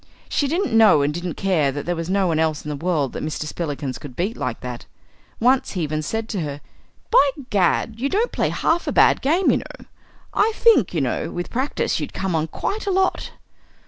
She didn't know and didn't care that there was no one else in the world that Mr. Spillikins could beat like that. Once he even said to her. "By Gad! you don't play half a bad game, you know. I think you know, with practice you'd come on quite a lot."